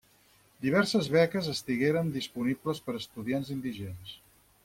Diverses beques estigueren disponibles per a estudiants indigents.